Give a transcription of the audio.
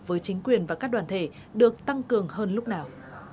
với chính quyền và các đoàn thể được tăng cường hơn lúc nào